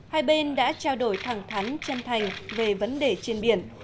hai bên đã trao đổi thẳng thắn chân thành về vấn đề trên biển